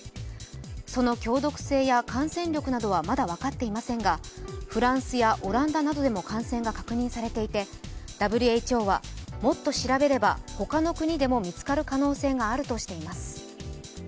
その強毒性や感染力などはまだ分かっていませんがフランスやオランダなどでも感染が確認されていてＷＨＯはもっと調べればほかの国でも見つかる可能性があるとしています。